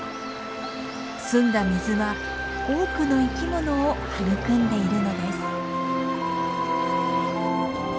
澄んだ水は多くの生きものを育んでいるのです。